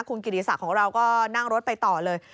คุณกิติศักดิ์ของเราก็นั่งรถไปต่อเลย